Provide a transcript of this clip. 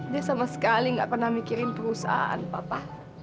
dia sama sekali nggak pernah mikirin perusahaan papa